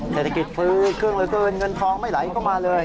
เศรษฐกิจฟื้อครึ่งเหลือเกินเงินทองไม่ไหลเข้ามาเลย